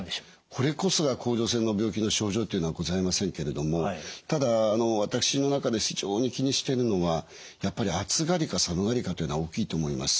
これこそが甲状腺の病気の症状というのはございませんけれどもただ私の中で非常に気にしてるのはやっぱり暑がりか寒がりかというのは大きいと思います。